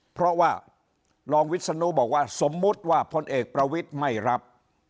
เพราะว่ารองวิศนุบอกว่าสมมุติว่าพลเอกประวิทย์ไม่รับ